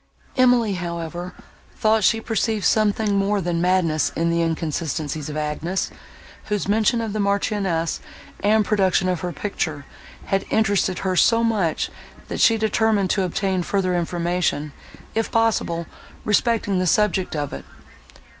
Emily, however, thought she perceived something more than madness in the inconsistencies of Agnes, whose mention of the Marchioness, and production of her picture, had interested her so much, that she determined to obtain further information, if possible, respecting the subject of it.